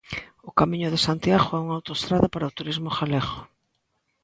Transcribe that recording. O Camiño de Santiago é unha autoestrada para o turismo galego.